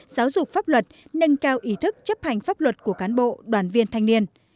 giáo dục pháp luật nâng cao ý thức chấp hành pháp luật của cán bộ đoàn viên thanh niên